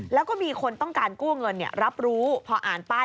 แล้วก็มีคนต้องการกู้เงินรับรู้พออ่านป้าย